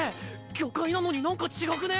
魚介なのになんか違くね？